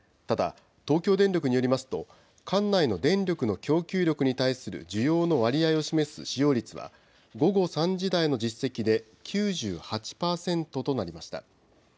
ただ、東京電力によりますと、管内の電力の供給力に対する需要の割合を示す使用率は、午後３時台の実績で９８％となりました。